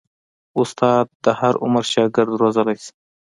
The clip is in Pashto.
استاد د هر عمر شاګرد روزلی شي.